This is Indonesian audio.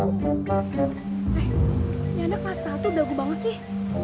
eh ini anak kelas satu dagu banget sih